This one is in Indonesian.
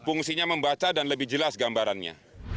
fungsinya membaca dan lebih jelas gambarannya